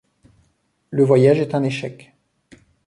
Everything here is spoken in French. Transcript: Le voyage est un échec.